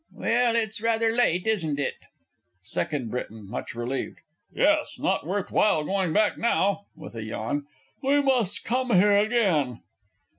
Well it's rather late, isn't it? SECOND B. (much relieved). Yes. Not worth while going back now (with a yawn). We must come here again.